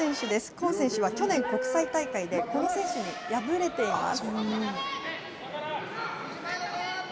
今選手は去年、国際大会でこの選手に敗れています。